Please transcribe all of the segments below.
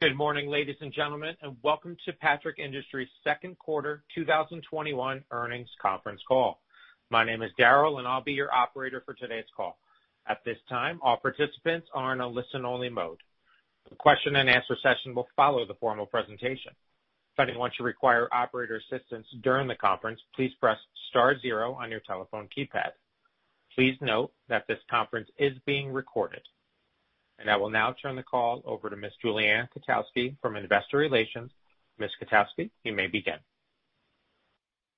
Good morning, ladies and gentlemen, and welcome to Patrick Industries' second quarter 2021 earnings conference call. My name is Daryl, and I'll be your operator for today's call. At this time, all participants are in a listen-only mode. The question and answer session will follow the formal presentation. If at any point you require operator assistance during the conference, please press star zero on your telephone keypad. Please note that this conference is being recorded. I will now turn the call over to Ms. Julie Ann Kotowski from investor relations. Ms. Kotowski, you may begin.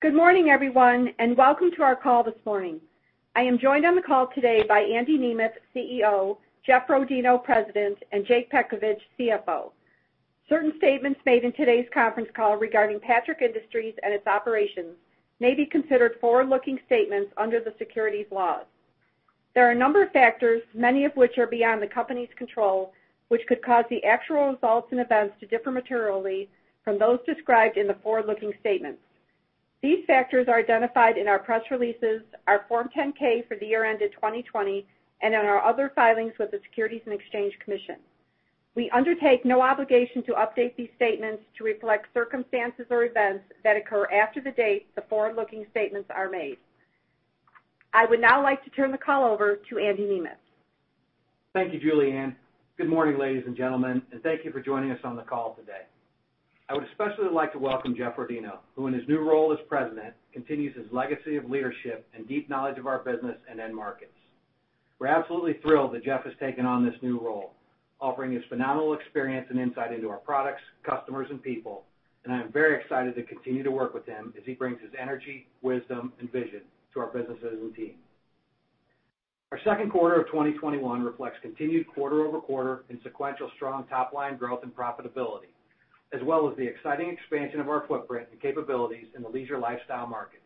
Good morning, everyone, and welcome to our call this morning. I am joined on the call today by Andy Nemeth, CEO, Jeff Rodino, President, and Jake Petkovich, CFO. Certain statements made in today's conference call regarding Patrick Industries and its operations may be considered forward-looking statements under the securities laws. There are a number of factors, many of which are beyond the company's control, which could cause the actual results and events to differ materially from those described in the forward-looking statements. These factors are identified in our press releases, our Form 10-K for the year ended 2020, and in our other filings with the Securities and Exchange Commission. We undertake no obligation to update these statements to reflect circumstances or events that occur after the date the forward-looking statements are made. I would now like to turn the call over to Andy Nemeth. Thank you, Julie Ann. Good morning, ladies and gentlemen, and thank you for joining us on the call today. I would especially like to welcome Jeff Rodino, who in his new role as President, continues his legacy of leadership and deep knowledge of our business and end markets. We're absolutely thrilled that Jeff has taken on this new role, offering his phenomenal experience and insight into our products, customers, and people, and I am very excited to continue to work with him as he brings his energy, wisdom, and vision to our businesses and team. Our second quarter of 2021 reflects continued quarter-over-quarter and sequential strong top-line growth and profitability, as well as the exciting expansion of our footprint and capabilities in the leisure lifestyle markets.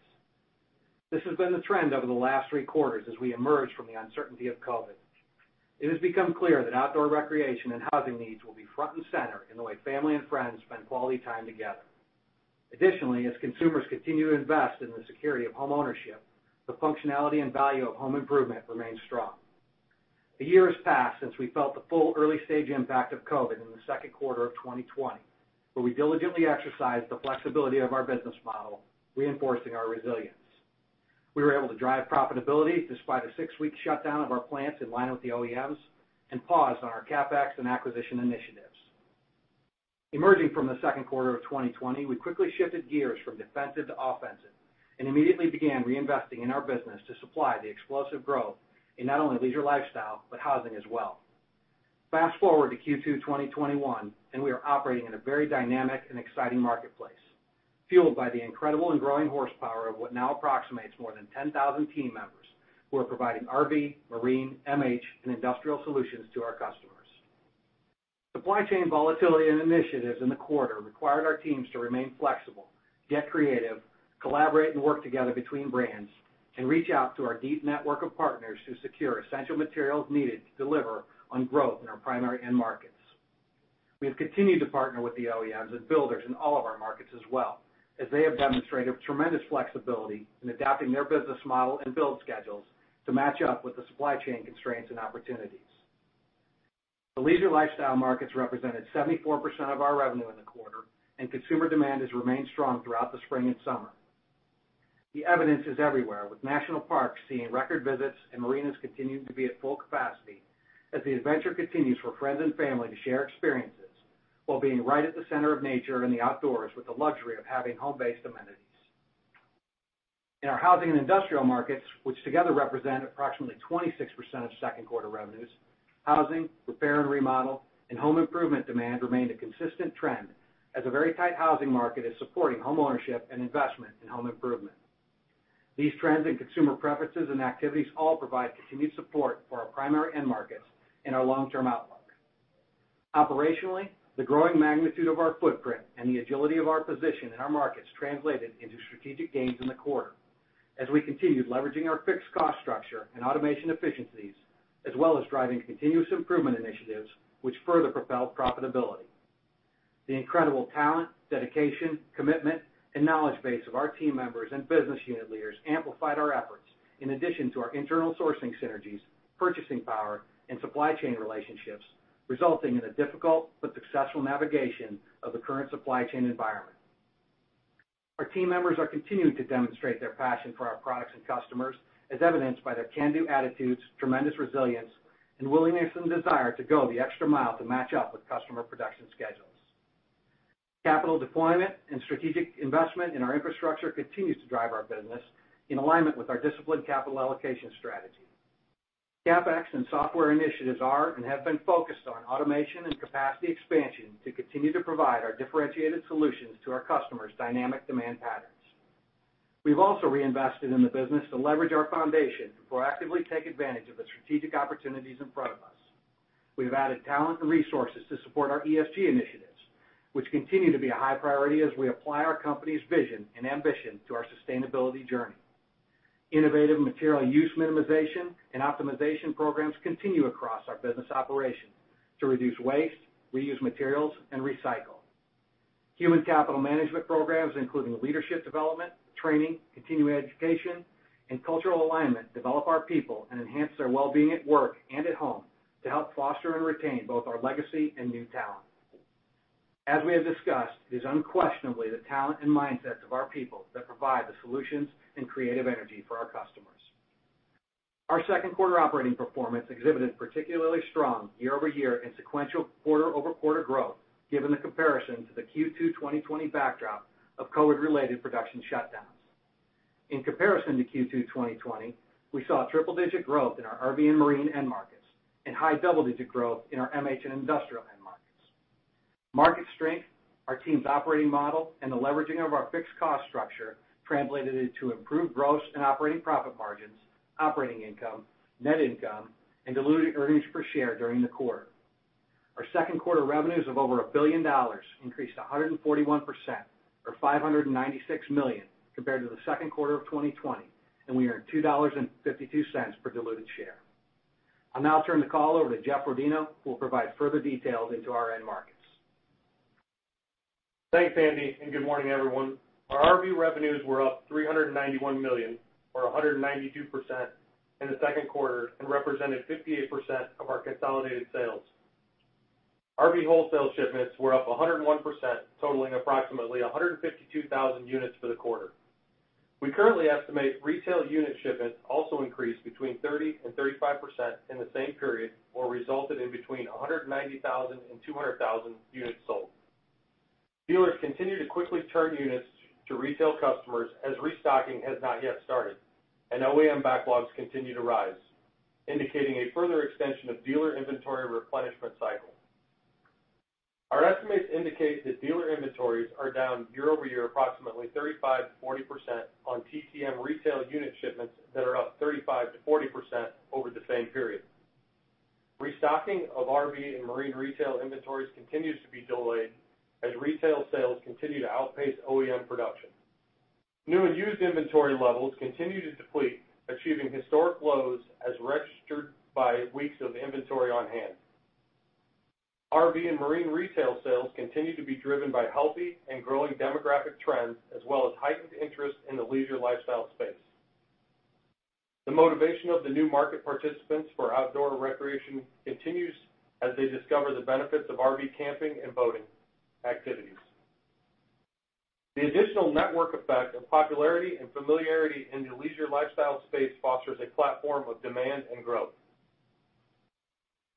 This has been the trend over the last three quarters as we emerge from the uncertainty of COVID. It has become clear that outdoor recreation and housing needs will be front and center in the way family and friends spend quality time together. Additionally, as consumers continue to invest in the security of home ownership, the functionality and value of home improvement remains strong. A year has passed since we felt the full early-stage impact of COVID in the second quarter of 2020, where we diligently exercised the flexibility of our business model, reinforcing our resilience. We were able to drive profitability despite a six week shutdown of our plants in line with the OEMs and paused on our CapEx and acquisition initiatives. Emerging from the second quarter of 2020, we quickly shifted gears from defensive to offensive and immediately began reinvesting in our business to supply the explosive growth in not only leisure lifestyle, but housing as well. Fast-forward to Q2 2021, and we are operating in a very dynamic and exciting marketplace, fueled by the incredible and growing horsepower of what now approximates more than 10,000 team members who are providing RV, marine, MH, and industrial solutions to our customers. Supply chain volatility and initiatives in the quarter required our teams to remain flexible, get creative, collaborate and work together between brands, and reach out to our deep network of partners to secure essential materials needed to deliver on growth in our primary end markets. We have continued to partner with the OEMs and builders in all of our markets as well, as they have demonstrated tremendous flexibility in adapting their business model and build schedules to match up with the supply chain constraints and opportunities. The leisure lifestyle markets represented 74% of our revenue in the quarter, and consumer demand has remained strong throughout the spring and summer. The evidence is everywhere, with national parks seeing record visits and marinas continuing to be at full capacity as the adventure continues for friends and family to share experiences while being right at the center of nature and the outdoors with the luxury of having home-based amenities. In our housing and industrial markets, which together represent approximately 26% of second quarter revenues, housing, repair and remodel, and home improvement demand remained a consistent trend as a very tight housing market is supporting home ownership and investment in home improvement. These trends in consumer preferences and activities all provide continued support for our primary end markets and our long-term outlook. Operationally, the growing magnitude of our footprint and the agility of our position in our markets translated into strategic gains in the quarter as we continued leveraging our fixed cost structure and automation efficiencies, as well as driving continuous improvement initiatives, which further propelled profitability. The incredible talent, dedication, commitment, and knowledge base of our team members and business unit leaders amplified our efforts in addition to our internal sourcing synergies, purchasing power, and supply chain relationships, resulting in a difficult but successful navigation of the current supply chain environment. Our team members are continuing to demonstrate their passion for our products and customers, as evidenced by their can-do attitudes, tremendous resilience, and willingness and desire to go the extra mile to match up with customer production schedules. Capital deployment and strategic investment in our infrastructure continues to drive our business in alignment with our disciplined capital allocation strategy. CapEx and software initiatives are and have been focused on automation and capacity expansion to continue to provide our differentiated solutions to our customers' dynamic demand patterns. We've also reinvested in the business to leverage our foundation to proactively take advantage of the strategic opportunities in front of us. We've added talent and resources to support our ESG initiatives, which continue to be a high priority as we apply our company's vision and ambition to our sustainability journey. Innovative material use minimization and optimization programs continue across our business operations to reduce waste, reuse materials, and recycle. Human capital management programs, including leadership development, training, continuing education, and cultural alignment, develop our people and enhance their wellbeing at work and at home to help foster and retain both our legacy and new talent. As we have discussed, it is unquestionably the talent and mindsets of our people that provide the solutions and creative energy for our customers. Our second quarter operating performance exhibited particularly strong year-over-year and sequential quarter-over-quarter growth, given the comparison to the Q2 2020 backdrop of COVID-related production shutdowns. In comparison to Q2 2020, we saw triple-digit growth in our RV and marine end markets and high double-digit growth in our MH and industrial end markets. Market strength, our team's operating model, and the leveraging of our fixed cost structure translated into improved gross and operating profit margins, operating income, net income, and diluted earnings per share during the quarter. Our second quarter revenues of over a $1 billion increased 141%, or $596 million, compared to the second quarter of 2020, and we earned $2.52 per diluted share. I'll now turn the call over to Jeff Rodino, who will provide further details into our end markets. Thanks, Andy, and good morning, everyone. Our RV revenues were up $391 million, or 192%, in the second quarter and represented 58% of our consolidated sales. RV wholesale shipments were up 101%, totaling approximately 152,000 units for the quarter. We currently estimate retail unit shipments also increased between 30% and 35% in the same period or resulted in between 190,000 and 200,000 units sold. Dealers continue to quickly turn units to retail customers as restocking has not yet started, and OEM backlogs continue to rise, indicating a further extension of dealer inventory replenishment cycle. Our estimates indicate that dealer inventories are down year-over-year approximately 35%-40% on TTM retail unit shipments that are up 35%-40% over the same period. Restocking of RV and marine retail inventories continues to be delayed as retail sales continue to outpace OEM production. New and used inventory levels continue to deplete, achieving historic lows as registered by weeks of inventory on hand. RV and marine retail sales continue to be driven by healthy and growing demographic trends as well as heightened interest in the leisure lifestyle space. The motivation of the new market participants for outdoor recreation continues as they discover the benefits of RV camping and boating activities. The additional network effect of popularity and familiarity in the leisure lifestyle space fosters a platform of demand and growth.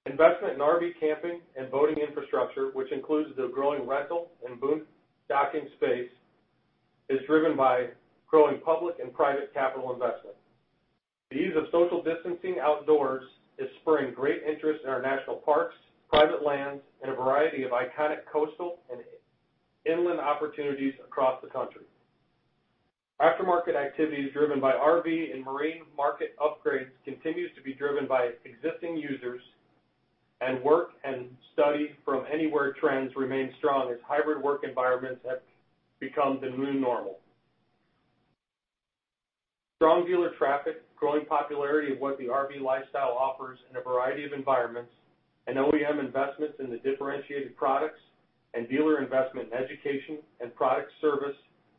Investment in RV camping and boating infrastructure, which includes the growing rental and boondocking space, is driven by growing public and private capital investment. The ease of social distancing outdoors is spurring great interest in our national parks, private lands, and a variety of iconic coastal and inland opportunities across the country. Aftermarket activities driven by RV and marine market upgrades continues to be driven by existing users, and work and study from anywhere trends remain strong as hybrid work environments have become the new normal. Strong dealer traffic, growing popularity of what the RV lifestyle offers in a variety of environments, and OEM investments in the differentiated products and dealer investment in education and product service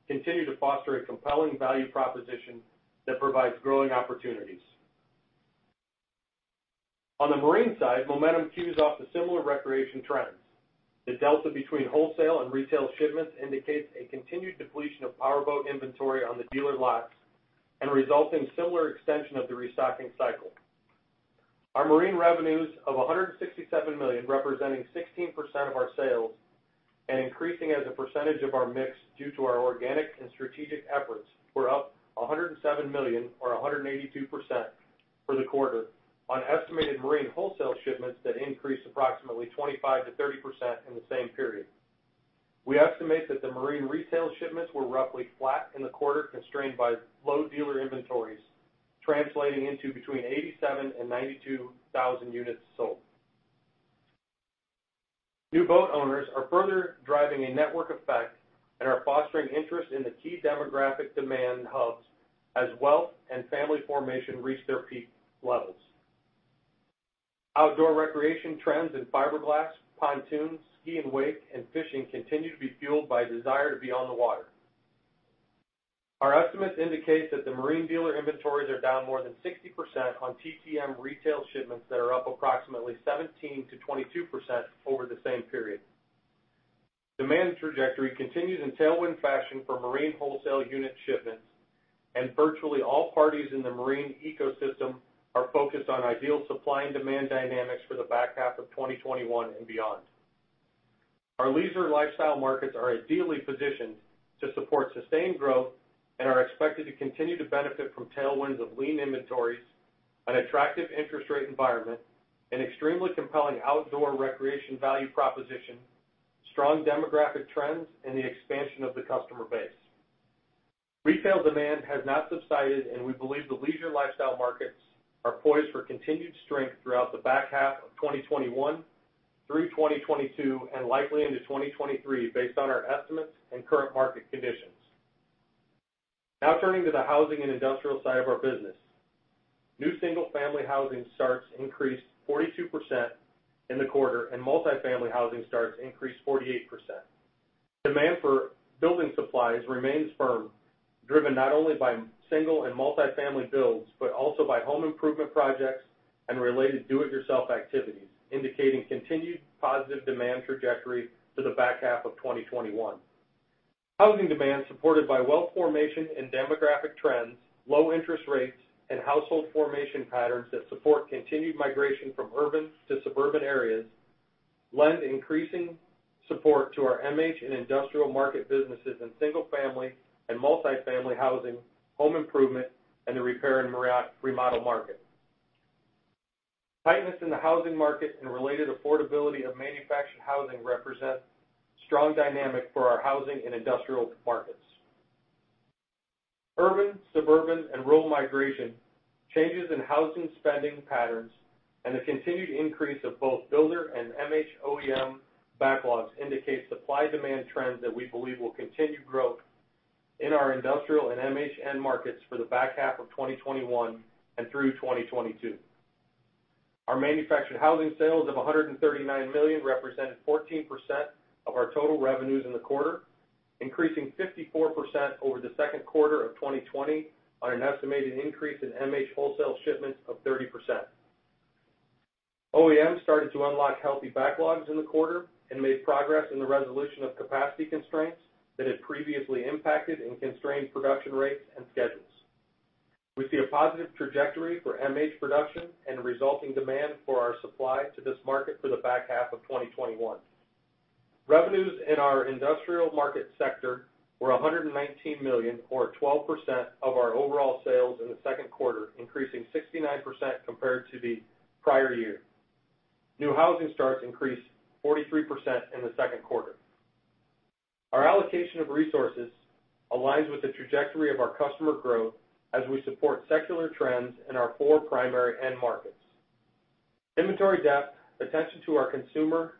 continue to foster a compelling value proposition that provides growing opportunities. On the marine side, momentum cues off the similar recreation trends. The delta between wholesale and retail shipments indicates a continued depletion of powerboat inventory on the dealer lots and results in similar extension of the restocking cycle. Our marine revenues of $167 million, representing 16% of our sales and increasing as a percentage of our mix due to our organic and strategic efforts, were up $107 million or 182% for the quarter on estimated marine wholesale shipments that increased approximately 25%-30% in the same period. We estimate that the marine retail shipments were roughly flat in the quarter, constrained by low dealer inventories, translating into between 87,000 and 92,000 units sold. New boat owners are further driving a network effect and are fostering interest in the key demographic demand hubs as wealth and family formation reach their peak levels. Outdoor recreation trends in fiberglass, pontoons, ski and wake, and fishing continue to be fueled by a desire to be on the water. Our estimates indicate that the marine dealer inventories are down more than 60% on TTM retail shipments that are up approximately 17%-22% over the same period. Demand trajectory continues in tailwind fashion for marine wholesale unit shipments, and virtually all parties in the marine ecosystem are focused on ideal supply and demand dynamics for the back half of 2021 and beyond. Our leisure lifestyle markets are ideally positioned to support sustained growth and are expected to continue to benefit from tailwinds of lean inventories, an attractive interest rate environment, an extremely compelling outdoor recreation value proposition, strong demographic trends, and the expansion of the customer base. Retail demand has not subsided, and we believe the leisure lifestyle markets are poised for continued strength throughout the back half of 2021 through 2022 and likely into 2023 based on our estimates and current market conditions. Turning to the housing and industrial side of our business. New single-family housing starts increased 42% in the quarter, and multi-family housing starts increased 48%. Demand for building supplies remains firm, driven not only by single and multi-family builds, but also by home improvement projects and related do-it-yourself activities, indicating continued positive demand trajectory for the back half of 2021. Housing demand supported by wealth formation and demographic trends, low interest rates, and household formation patterns that support continued migration from urban to suburban areas lend increasing support to our MH and industrial market businesses in single-family and multi-family housing, home improvement, and the repair and remodel market. Tightness in the housing market and related affordability of manufactured housing represent strong dynamic for our housing and industrial markets. Urban, suburban, and rural migration, changes in housing spending patterns, and the continued increase of both builder and MH OEM backlogs indicate supply-demand trends that we believe will continue growth in our industrial and MH end markets for the back half of 2021 and through 2022. Our manufactured housing sales of $139 million represented 14% of our total revenues in the quarter, increasing 54% over the second quarter of 2020 on an estimated increase in MH wholesale shipments of 30%. OEMs started to unlock healthy backlogs in the quarter and made progress in the resolution of capacity constraints that had previously impacted and constrained production rates and schedules. We see a positive trajectory for MH production and resulting demand for our supply to this market for the back half of 2021. Revenues in our industrial market sector were $119 million, or 12% of our overall sales in the second quarter, increasing 69% compared to the prior year. New housing starts increased 43% in the second quarter. Our allocation of resources aligns with the trajectory of our customer growth as we support secular trends in our four primary end markets. Inventory depth, attention to our consumer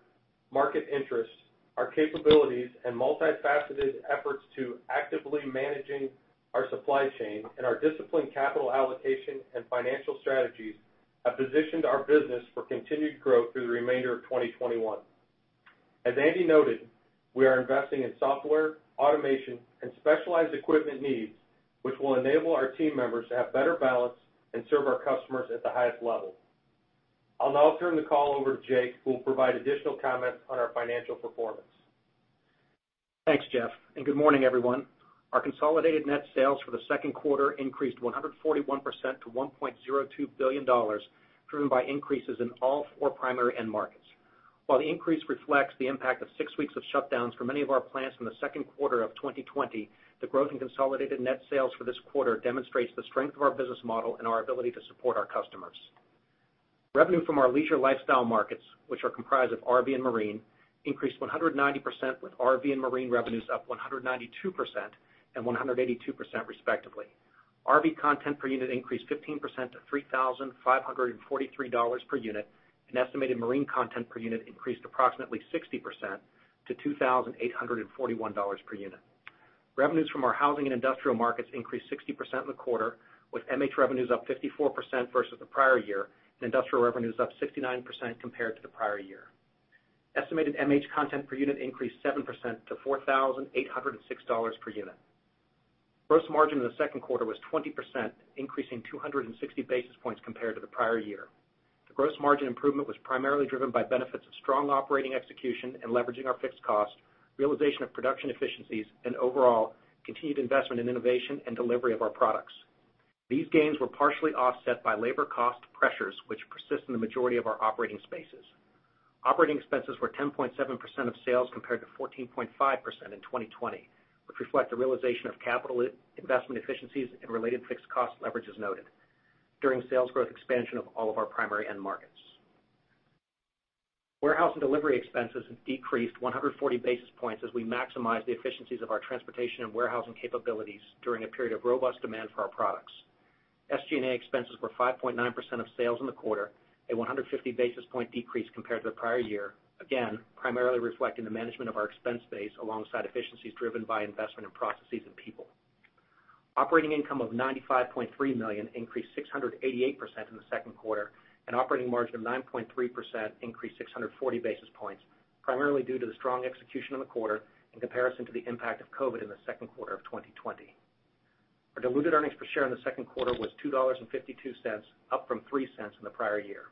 market interests, our capabilities, and multifaceted efforts to actively managing our supply chain, and our disciplined capital allocation and financial strategies have positioned our business for continued growth through the remainder of 2021. As Andy noted, we are investing in software, automation, and specialized equipment needs, which will enable our team members to have better balance and serve our customers at the highest level. I'll now turn the call over to Jake, who will provide additional comments on our financial performance. Thanks, Jeff. Good morning, everyone. Our consolidated net sales for the second quarter increased 141% to $1.02 billion, driven by increases in all four primary end markets. While the increase reflects the impact of six weeks of shutdowns for many of our plants in the second quarter of 2020, the growth in consolidated net sales for this quarter demonstrates the strength of our business model and our ability to support our customers. Revenue from our leisure lifestyle markets, which are comprised of RV and marine, increased 190%, with RV and marine revenues up 192% and 182% respectively. RV content per unit increased 15% to $3,543 per unit, and estimated marine content per unit increased approximately 60% to $2,841 per unit. Revenues from our housing and industrial markets increased 60% in the quarter, with MH revenues up 54% versus the prior year and industrial revenues up 69% compared to the prior year. Estimated MH content per unit increased 7% to $4,806 per unit. Gross margin in the second quarter was 20%, increasing 260 basis points compared to the prior year. The gross margin improvement was primarily driven by benefits of strong operating execution and leveraging our fixed cost, realization of production efficiencies, and overall continued investment in innovation and delivery of our products. These gains were partially offset by labor cost pressures, which persist in the majority of our operating spaces. Operating expenses were 10.7% of sales compared to 14.5% in 2020, which reflect the realization of capital investment efficiencies and related fixed cost leverage as noted during sales growth expansion of all of our primary end markets. Warehouse and delivery expenses decreased 140 basis points as we maximized the efficiencies of our transportation and warehousing capabilities during a period of robust demand for our products. SG&A expenses were 5.9% of sales in the quarter, a 150 basis point decrease compared to the prior year, again, primarily reflecting the management of our expense base alongside efficiencies driven by investment in processes and people. Operating income of $95.3 million increased 688% in the second quarter, and operating margin of 9.3% increased 640 basis points, primarily due to the strong execution in the quarter in comparison to the impact of COVID in the second quarter of 2020. Our diluted earnings per share in the second quarter was $2.52, up from $0.03 in the prior year.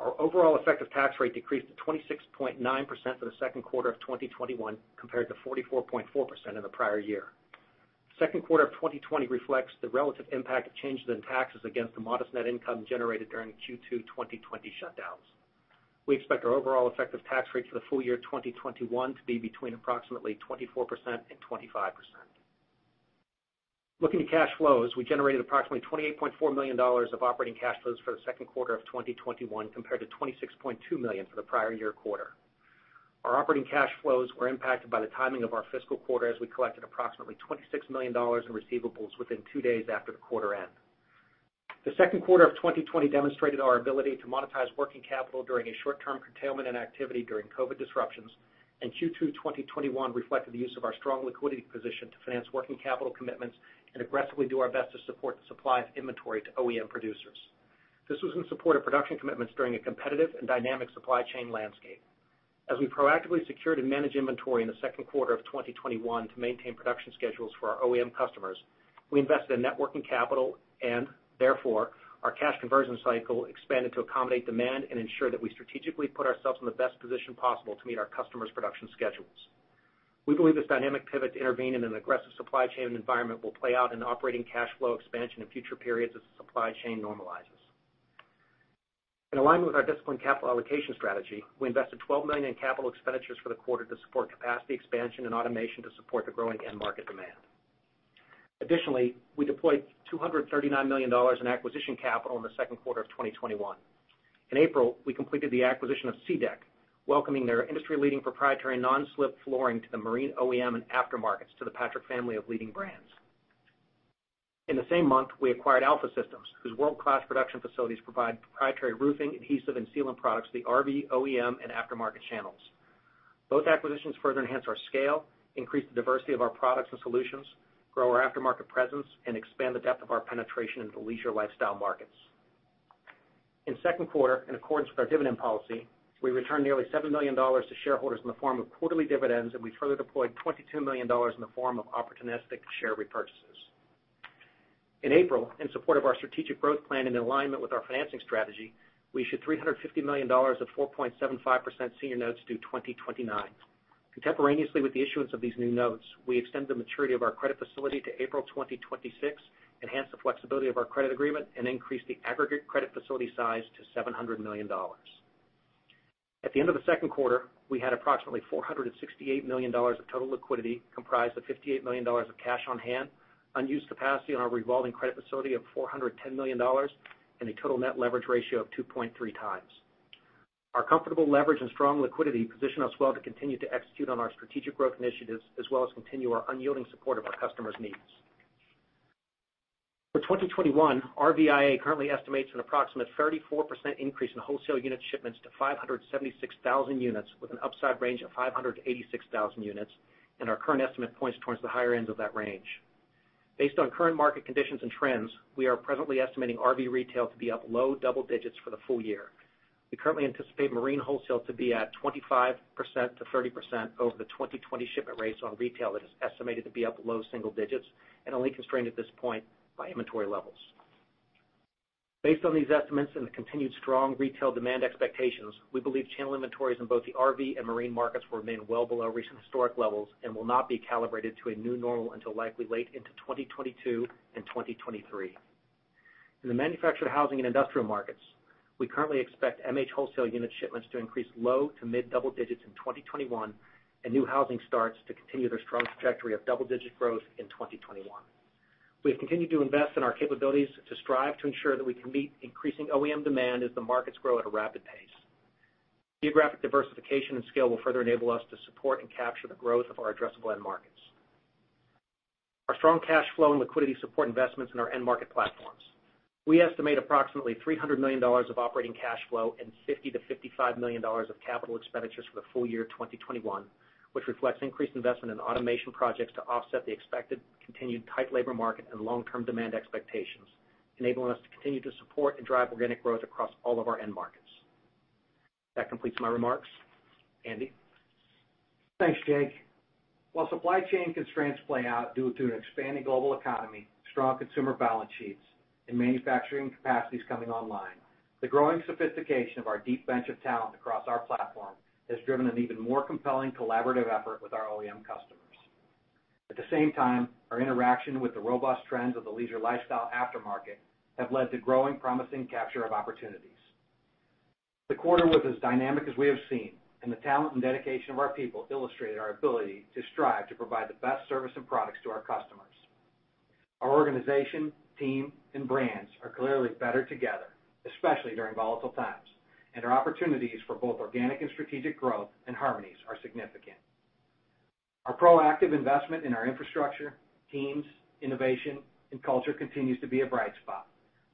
Our overall effective tax rate decreased to 26.9% for the second quarter of 2021 compared to 44.4% in the prior year. Second quarter of 2020 reflects the relative impact of changes in taxes against the modest net income generated during Q2 2020 shutdowns. We expect our overall effective tax rate for the full year 2021 to be between approximately 24% and 25%. Looking to cash flows, we generated approximately $28.4 million of operating cash flows for the second quarter of 2021 compared to $26.2 million for the prior year quarter. Our operating cash flows were impacted by the timing of our fiscal quarter as we collected approximately $26 million in receivables within two days after the quarter end. The second quarter of 2020 demonstrated our ability to monetize working capital during a short-term curtailment in activity during COVID disruptions, and Q2 2021 reflected the use of our strong liquidity position to finance working capital commitments and aggressively do our best to support the supply of inventory to OEM producers. This was in support of production commitments during a competitive and dynamic supply chain landscape. As we proactively secured and managed inventory in the second quarter of 2021 to maintain production schedules for our OEM customers, we invested in net working capital, and therefore, our cash conversion cycle expanded to accommodate demand and ensure that we strategically put ourselves in the best position possible to meet our customers' production schedules. We believe this dynamic pivot to intervene in an aggressive supply chain environment will play out in operating cash flow expansion in future periods as the supply chain normalizes. In alignment with our disciplined capital allocation strategy, we invested $12 million in capital expenditures for the quarter to support capacity expansion and automation to support the growing end market demand. Additionally, we deployed $239 million in acquisition capital in the second quarter of 2021. In April, we completed the acquisition of SeaDek, welcoming their industry-leading proprietary non-slip flooring to the marine OEM and aftermarkets to the Patrick family of leading brands. In the same month, we acquired Alpha Systems, whose world-class production facilities provide proprietary roofing, adhesive, and sealant products to the RV, OEM, and aftermarket channels. Both acquisitions further enhance our scale, increase the diversity of our products and solutions, grow our aftermarket presence, and expand the depth of our penetration into the leisure lifestyle markets. In the second quarter, in accordance with our dividend policy, we returned nearly $7 million to shareholders in the form of quarterly dividends, and we further deployed $22 million in the form of opportunistic share repurchases. In April, in support of our strategic growth plan and in alignment with our financing strategy, we issued $350 million of 4.75% senior notes due 2029. Contemporaneously with the issuance of these new notes, we extended the maturity of our credit facility to April 2026, enhanced the flexibility of our credit agreement, and increased the aggregate credit facility size to $700 million. At the end of the second quarter, we had approximately $468 million of total liquidity, comprised of $58 million of cash on hand, unused capacity on our revolving credit facility of $410 million, and a total net leverage ratio of 2.3x. Our comfortable leverage and strong liquidity position us well to continue to execute on our strategic growth initiatives, as well as continue our unyielding support of our customers' needs. For 2021, RVIA currently estimates an approximate 34% increase in wholesale unit shipments to 576,000 units, with an upside range of 586,000 units, and our current estimate points towards the higher end of that range. Based on current market conditions and trends, we are presently estimating RV retail to be up low double digits for the full year. We currently anticipate marine wholesale to be at 25%-30% over the 2020 shipment rates on retail that is estimated to be up low single digits and only constrained at this point by inventory levels. Based on these estimates and the continued strong retail demand expectations, we believe channel inventories in both the RV and marine markets will remain well below recent historic levels and will not be calibrated to a new normal until likely late into 2022 and 2023. In the manufactured housing and industrial markets, we currently expect MH wholesale unit shipments to increase low to mid double digits in 2021 and new housing starts to continue their strong trajectory of double-digit growth in 2021. We have continued to invest in our capabilities to strive to ensure that we can meet increasing OEM demand as the markets grow at a rapid pace. Geographic diversification and scale will further enable us to support and capture the growth of our addressable end markets. Our strong cash flow and liquidity support investments in our end-market platforms. We estimate approximately $300 million of operating cash flow and $50 million-$55 million of capital expenditures for the full year 2021, which reflects increased investment in automation projects to offset the expected continued tight labor market and long-term demand expectations, enabling us to continue to support and drive organic growth across all of our end markets. That completes my remarks. Andy? Thanks, Jake. While supply chain constraints play out due to an expanding global economy, strong consumer balance sheets, and manufacturing capacities coming online, the growing sophistication of our deep bench of talent across our platform has driven an even more compelling collaborative effort with our OEM customers. At the same time, our interaction with the robust trends of the leisure lifestyle aftermarket have led to growing promising capture of opportunities. The quarter was as dynamic as we have seen, and the talent and dedication of our people illustrated our ability to strive to provide the best service and products to our customers. Our organization, team, and brands are clearly better together, especially during volatile times, and our opportunities for both organic and strategic growth and harmonies are significant. Our proactive investment in our infrastructure, teams, innovation, and culture continues to be a bright spot,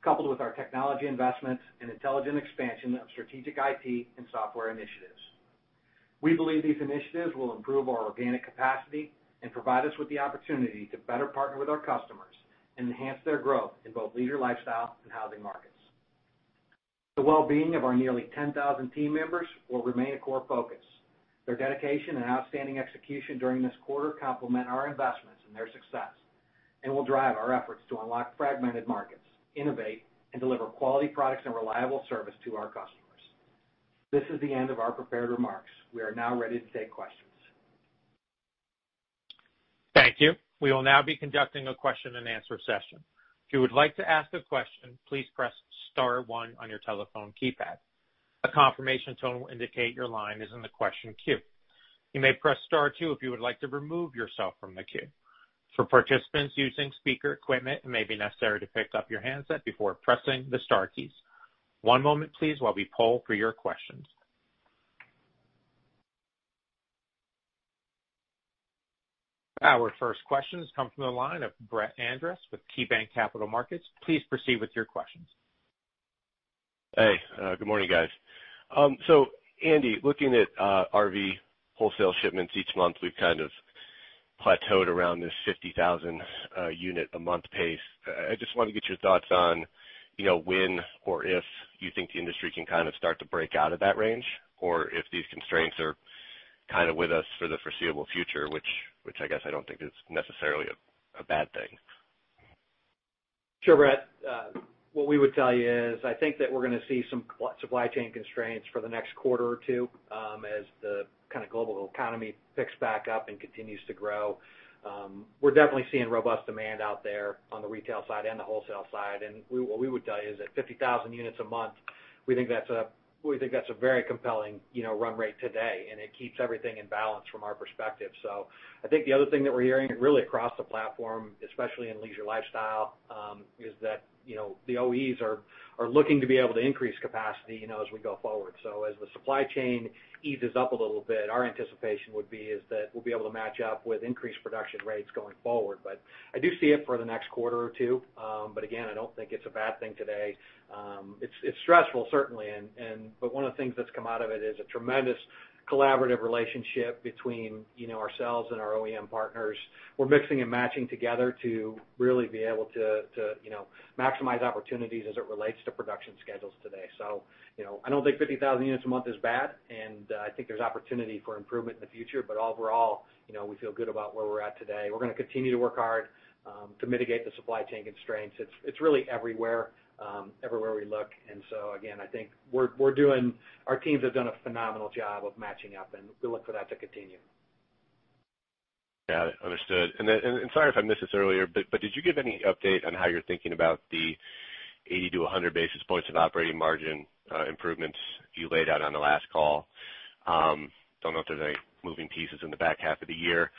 coupled with our technology investments and intelligent expansion of strategic IT and software initiatives. We believe these initiatives will improve our organic capacity and provide us with the opportunity to better partner with our customers and enhance their growth in both leisure, lifestyle, and housing markets. The well-being of our nearly 10,000 team members will remain a core focus. Their dedication and outstanding execution during this quarter complement our investments and their success and will drive our efforts to unlock fragmented markets, innovate, and deliver quality products and reliable service to our customers. This is the end of our prepared remarks. We are now ready to take questions. Thank you. We will now be conducting a question and answer session. If you would like to ask a question, please press star one on your telephone keypad. A confirmation tone will indicate your line is in the question queue. You may press star two if you would like to remove yourself from the queue. For participants using speaker equipment, it may be necessary to pick up your handset before pressing the star keys. One moment, please, while we poll for your questions. Our first questions come from the line of Brett Andress with KeyBanc Capital Markets. Please proceed with your questions. Hey, good morning, guys. Andy, looking at RV wholesale shipments each month, we've kind of plateaued around this 50,000 unit a month pace. I just wanted to get your thoughts on when or if you think the industry can kind of start to break out of that range, or if these constraints are with us for the foreseeable future, which I guess I don't think is necessarily a bad thing. Sure, Brett. What we would tell you is, I think that we are going to see some supply chain constraints for the next quarter or two, as the kind of global economy picks back up and continues to grow. We are definitely seeing robust demand out there on the retail side and the wholesale side. What we would tell you is at 50,000 units a month, we think that is a very compelling run rate today, and it keeps everything in balance from our perspective. I think the other thing that we are hearing, and really across the platform, especially in leisure lifestyle, is that the OEs are looking to be able to increase capacity as we go forward. As the supply chain eases up a little bit, our anticipation would be is that we will be able to match up with increased production rates going forward. I do see it for the next quarter or two. Again, I don't think it's a bad thing today. It's stressful, certainly. One of the things that's come out of it is a tremendous collaborative relationship between ourselves and our OEM partners. We're mixing and matching together to really be able to maximize opportunities as it relates to production schedules today. I don't think 50,000 units a month is bad, and I think there's opportunity for improvement in the future. Overall, we feel good about where we're at today. We're going to continue to work hard to mitigate the supply chain constraints. It's really everywhere we look. Again, I think we're doing, our teams have done a phenomenal job of matching up and we look for that to continue. Got it. Understood. Sorry if I missed this earlier, but did you give any update on how you're thinking about the 80-100 basis points of operating margin improvements you laid out on the last call? I don't know if there's any moving pieces in the back half of the year.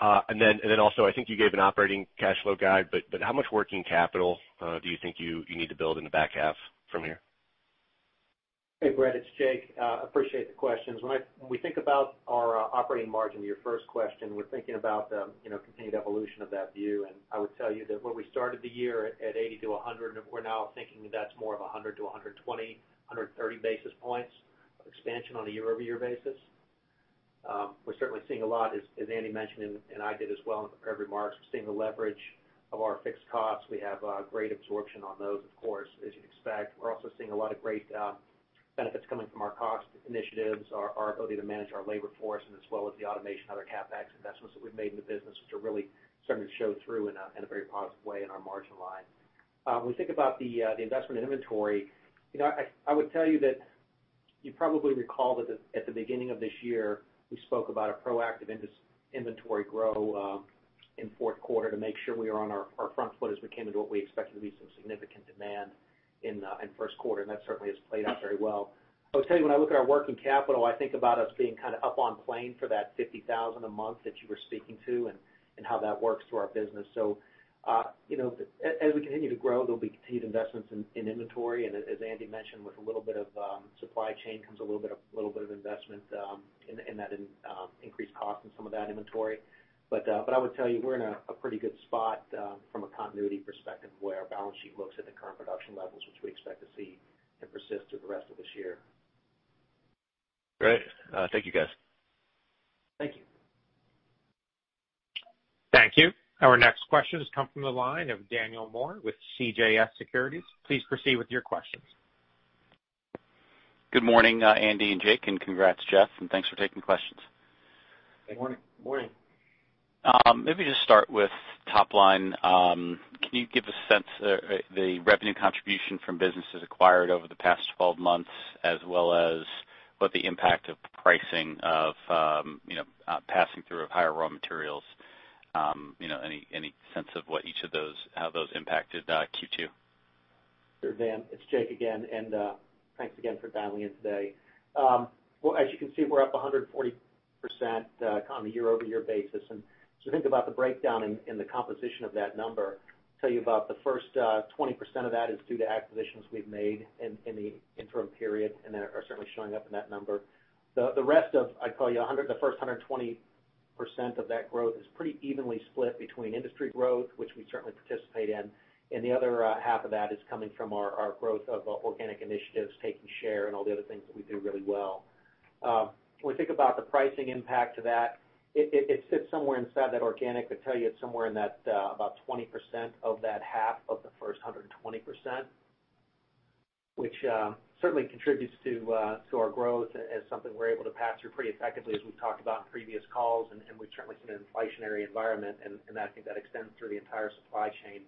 Also, I think you gave an operating cash flow guide, but how much working capital do you think you need to build in the back half from here? Hey, Brett, it's Jake. Appreciate the questions. When we think about our operating margin, to your first question, we're thinking about the continued evolution of that view. I would tell you that where we started the year at 80-100 basis points, we're now thinking that's more of 100-120-130 basis points of expansion on a year-over-year basis. We're certainly seeing a lot, as Andy mentioned, and I did as well in the prepared remarks. We're seeing the leverage of our fixed costs. We have great absorption on those, of course, as you'd expect. We're also seeing a lot of great benefits coming from our cost initiatives, our ability to manage our labor force, and as well as the automation and other CapEx investments that we've made in the business, which are really starting to show through in a very positive way in our margin line. When we think about the investment in inventory, I would tell you that you probably recall that at the beginning of this year, we spoke about a proactive inventory grow in fourth quarter to make sure we were on our front foot as we came into what we expected to be some significant demand in first quarter. That certainly has played out very well. I would tell you when I look at our working capital, I think about us being kind of up on plane for that 50,000 a month that you were speaking to and how that works for our business. As we continue to grow, there'll be continued investments in inventory. As Andy mentioned, with a little bit of supply chain comes a little bit of investment in that increased cost in some of that inventory. I would tell you we're in a pretty good spot from a continuity perspective where our balance sheet looks at the current production levels, which we expect to see and persist through the rest of this year. Great. Thank you, guys. Thank you. Thank you. Our next questions come from the line of Daniel Moore with CJS Securities. Please proceed with your questions. Good morning, Andy and Jake, and congrats, Jeff, and thanks for taking questions. Good morning. Morning. Just start with top line. Can you give a sense the revenue contribution from businesses acquired over the past 12 months as well as what the impact of pricing of passing through of higher raw materials? Any sense of how those impacted Q2? Sure Dan, it's Jake again. Thanks again for dialing in today. Well, as you can see, we're up 140% on a year-over-year basis. As you think about the breakdown in the composition of that number, tell you about the first 20% of that is due to acquisitions we've made in the interim period and are certainly showing up in that number. The rest of, I'd tell you, the first 120% of that growth is pretty evenly split between industry growth, which we certainly participate in, and the other half of that is coming from our growth of organic initiatives taking share and all the other things that we do really well. When we think about the pricing impact to that, it sits somewhere inside that organic. I'd tell you it's somewhere in that about 20% of that half of the first 120%, which certainly contributes to our growth as something we're able to pass through pretty effectively, as we've talked about in previous calls and we certainly see an inflationary environment and I think that extends through the entire supply chain.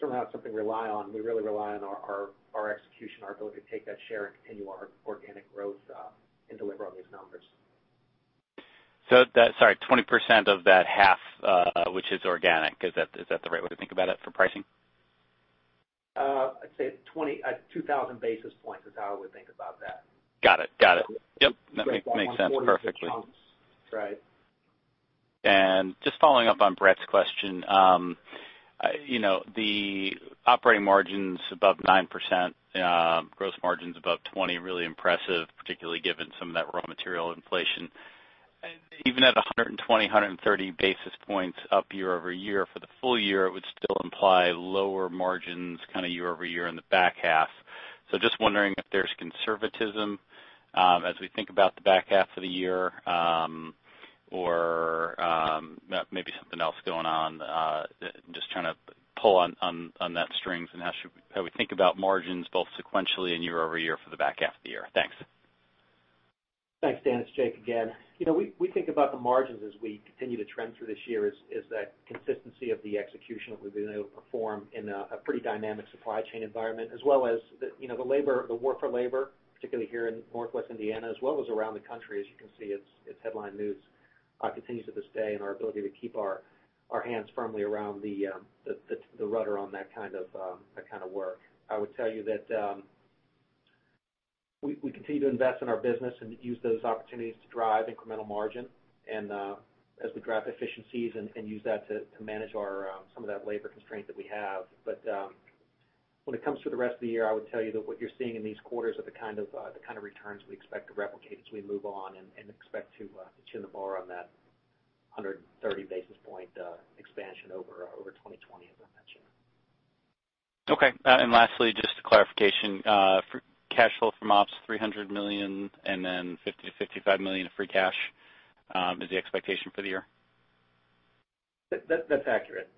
Certainly not something to rely on. We really rely on our execution, our ability to take that share and continue our organic growth, and deliver on these numbers. Sorry, 20% of that half which is organic. Is that the right way to think about it for pricing? I'd say 2,000 basis points is how I would think about that. Got it. Got it. Yep. That makes sense perfectly. Right. Just following up on Brett's question. The operating margin's above 9%, gross margin's above 20%. Really impressive, particularly given some of that raw material inflation. Even at 120-130 basis points up year-over-year for the full year, it would still imply lower margins kind of year-over-year in the back half. Just wondering if there's conservatism as we think about the back half of the year, or maybe something else going on. Just trying to pull on that string and how we think about margins both sequentially and year-over-year for the back half of the year. Thanks. Thanks, Dan. It's Jake again. We think about the margins as we continue to trend through this year is that consistency of the execution that we've been able to perform in a pretty dynamic supply chain environment, as well as the war for labor, particularly here in Northwest Indiana, as well as around the country. You can see, it's headline news. It continues to this day and our ability to keep our hands firmly around the rudder on that kind of work. I would tell you that we continue to invest in our business and use those opportunities to drive incremental margin, and as we drive efficiencies and use that to manage some of that labor constraint that we have. When it comes to the rest of the year, I would tell you that what you're seeing in these quarters are the kind of returns we expect to replicate as we move on and expect to chin the bar on that 130 basis point expansion over 2020, as I mentioned. Okay. Lastly, just a clarification. For cash flow from ops, $300 million, and then $50 million-$55 million of free cash is the expectation for the year? That's accurate.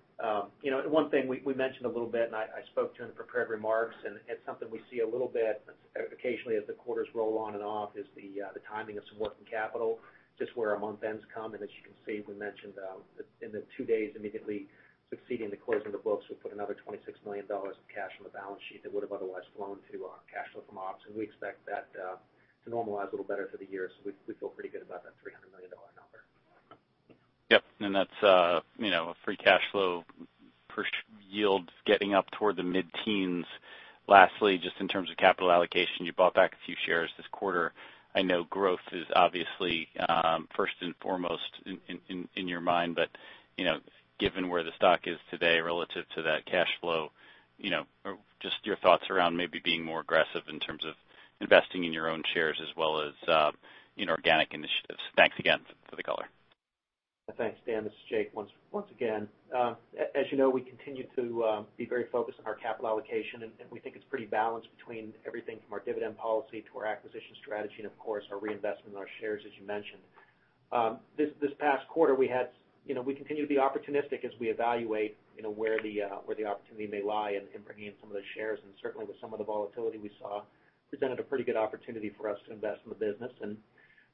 One thing we mentioned a little bit, and I spoke to in the prepared remarks, and it's something we see a little bit occasionally as the quarters roll on and off, is the timing of some working capital, just where our month-ends come. As you can see, we mentioned in the two days immediately succeeding the closing of the books, we put another $26 million of cash on the balance sheet that would've otherwise flown to our cash flow from ops. We expect that to normalize a little better for the year. We feel pretty good about that $300 million number. Yep. That's a free cash flow yield getting up toward the mid-teens. Lastly, just in terms of capital allocation, you bought back a few shares this quarter. I know growth is obviously first and foremost in your mind, but given where the stock is today relative to that cash flow, just your thoughts around maybe being more aggressive in terms of investing in your own shares as well as inorganic initiatives. Thanks again for the color. Thanks, Dan. This is Jake once again. As you know, we continue to be very focused on our capital allocation, and we think it's pretty balanced between everything from our dividend policy to our acquisition strategy, and of course, our reinvestment in our shares, as you mentioned. This past quarter, we continue to be opportunistic as we evaluate where the opportunity may lie in bringing in some of the shares, and certainly with some of the volatility we saw, presented a pretty good opportunity for us to invest in the business.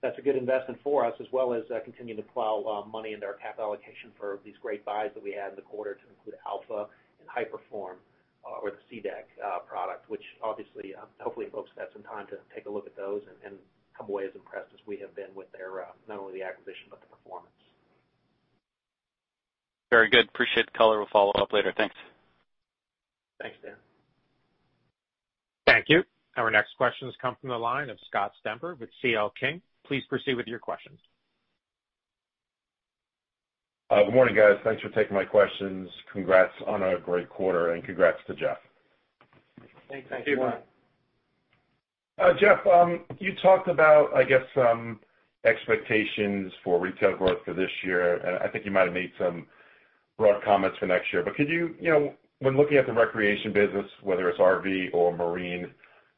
That's a good investment for us, as well as continuing to plow money into our capital allocation for these great buys that we had in the quarter to include Alpha and Hyperform or the SeaDek product. Obviously, hopefully folks have had some time to take a look at those and come away as impressed as we have been with not only the acquisition, but the performance. Very good. Appreciate the color. We'll follow up later. Thanks. Thanks, Dan. Thank you. Our next question comes from the line of Scott Stember with CL King. Please proceed with your questions. Good morning, guys. Thanks for taking my questions. Congrats on a great quarter and congrats to Jeff. Thanks. Thanks. Jeff, you talked about, I guess, some expectations for retail growth for this year, and I think you might've made some broad comments for next year. When looking at the recreation business, whether it's RV or marine,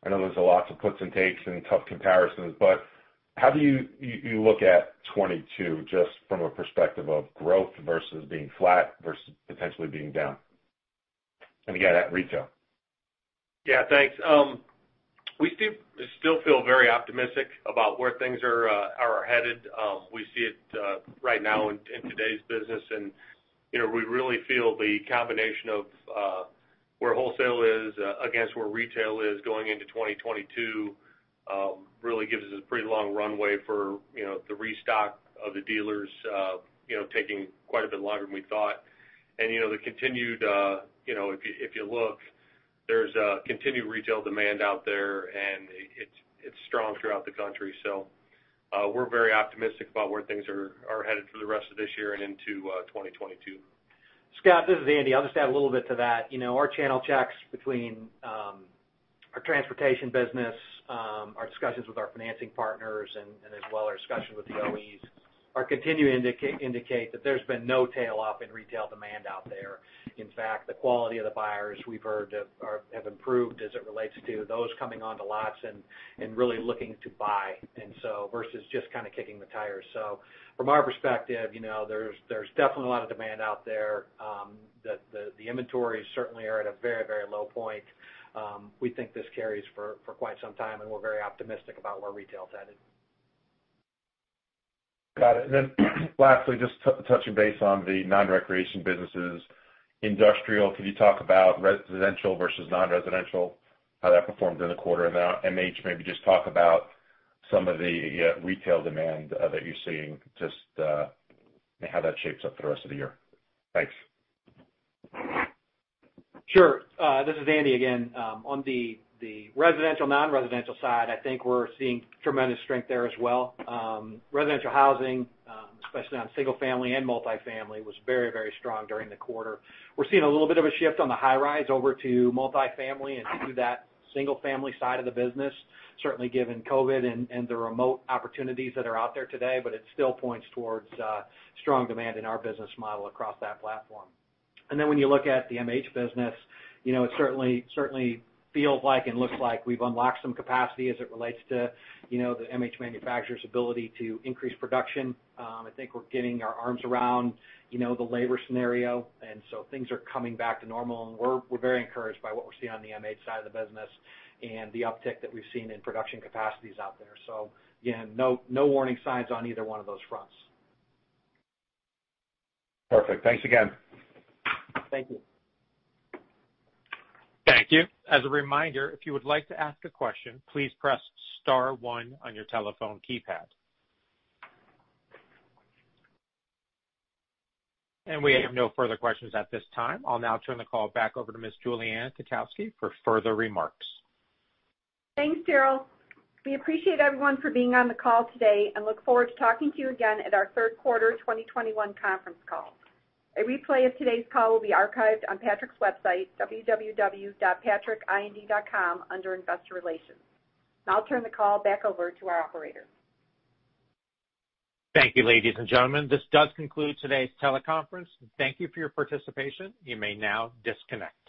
I know there's lots of puts and takes and tough comparisons, but how do you look at 2022 just from a perspective of growth versus being flat versus potentially being down? Again, at retail. Yeah. Thanks. We still feel very optimistic about where things are headed. We see it right now in today's business. We really feel the combination of where wholesale is against where retail is going into 2022 really gives us a pretty long runway for the restock of the dealers taking quite a bit longer than we thought. The continued, if you look, there's continued retail demand out there, and it's strong throughout the country. We're very optimistic about where things are headed for the rest of this year and into 2022. Scott, this is Andy. I'll just add a little bit to that. Our channel checks between our transportation business, our discussions with our financing partners, and as well our discussions with the OEs, are continuing to indicate that there's been no tail off in retail demand out there. In fact, the quality of the buyers we've heard have improved as it relates to those coming onto lots and really looking to buy, and so versus just kind of kicking the tires. From our perspective there's definitely a lot of demand out there. The inventories certainly are at a very, very low point. We think this carries for quite some time, and we're very optimistic about where retail's headed. Got it. Lastly, just touching base on the non-recreation businesses. Industrial, could you talk about residential versus non-residential, how that performed during the quarter? MH, maybe just talk about some of the retail demand that you're seeing, just maybe how that shapes up for the rest of the year. Thanks. Sure. This is Andy again. On the residential/non-residential side, I think we're seeing tremendous strength there as well. Residential housing, especially on single-family and multi-family, was very, very strong during the quarter. We're seeing a little bit of a shift on the high-rise over to multi-family and through that single-family side of the business, certainly given COVID and the remote opportunities that are out there today. It still points towards strong demand in our business model across that platform. When you look at the MH business, it certainly feels like and looks like we've unlocked some capacity as it relates to the MH manufacturer's ability to increase production. I think we're getting our arms around the labor scenario. Things are coming back to normal, and we're very encouraged by what we're seeing on the MH side of the business and the uptick that we've seen in production capacities out there. Again, no warning signs on either one of those fronts. Perfect. Thanks again. Thank you. Thank you. As a reminder, if you would like to ask a question, please press star one on your telephone keypad. We have no further questions at this time. I'll now turn the call back over to Ms. Julie Ann Kotowski for further remarks. Thanks, Daryl. We appreciate everyone for being on the call today and look forward to talking to you again at our third quarter 2021 conference call. A replay of today's call will be archived on Patrick's website, www.patrickind.com, under Investor Relations. Now I'll turn the call back over to our operator. Thank you, ladies and gentlemen. This does conclude today's teleconference. Thank you for your participation. You may now disconnect.